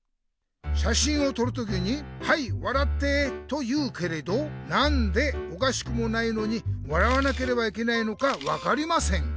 「しゃしんをとる時に『はい笑って』と言うけれどなんでおかしくもないのに笑わなければいけないのか分かりません。